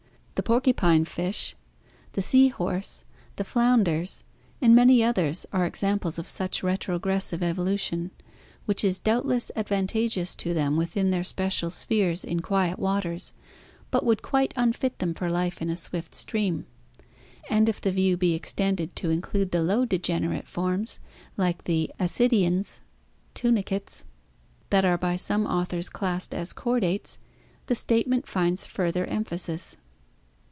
The porcupine fish, the sea horse, the flounders, and many others are examples of such retrogressive evolution, which is doubt less advantageous to them within their special spheres in quiet waters, but would quite unfit them for life in a swift stream. And if the view be extended to include the low degenerate forms, like the Ascidians [tunicates], that are by some authors classed as chordates, the statement finds further emphasis.